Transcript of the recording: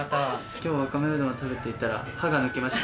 きょう、わかめうどんを食べていたら、歯が抜けました。